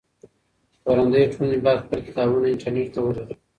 خپرندويې ټولنې بايد خپل کتابونه انټرنټ ته ولېږي.